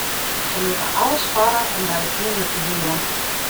Se litte alles farre om by it hynder te bliuwen.